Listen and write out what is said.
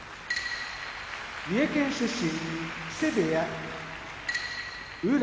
三重県出身木瀬部屋宇良